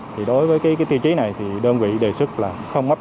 thì đối với cái tiêu chí này thì đơn vị đề sức là không áp dụng